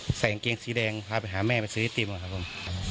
เขาบอกใส่เกงสีแดงพาไปหาแม่ไปซื้ออิติม